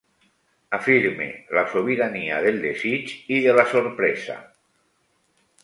Afirme la sobirania del desig i de la sorpresa.